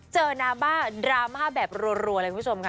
เจอนาบ้าดราม่าแบบรัวอะไรว่ะคุณผู้ชมค่ะ